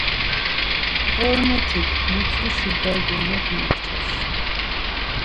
Ğormotik mutuşi derdi mot mekças.